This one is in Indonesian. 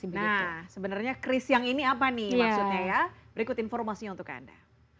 nah sebenarnya cris yang ini apa nih maksudnya ya berikut informasinya untuk anda